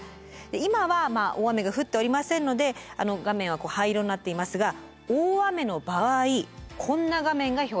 今は大雨が降っておりませんので画面は灰色になっていますが大雨の場合こんな画面が表示されます。